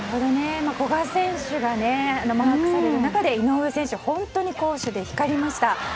古賀選手がマークされる中で井上選手が本当に攻守で光りました。